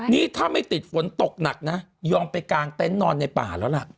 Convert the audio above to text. นี่ถ้าไม่ติดฝนตกหนักนะยอมไปกางเต็นต์นอนในป่าแล้วล่ะ